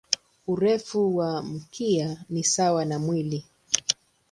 Urefu wa mkia ni sawa na mwili.